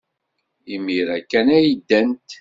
Imir-a kan ay ddant.